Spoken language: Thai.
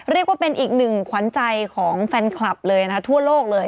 เรียกว่าเป็นอีกหนึ่งขวัญใจของแฟนคลับเลยนะทั่วโลกเลย